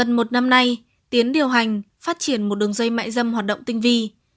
ngày nay tiến điều hành phát triển một đường dây mại dâm hoạt động tinh vi